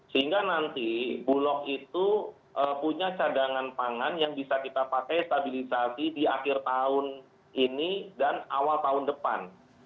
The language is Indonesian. sehingga nanti bulog itu punya cadangan pangan yang bisa kita pakai stabilisasi di akhir tahun ini dan awal tahun depan